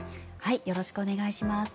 よろしくお願いします。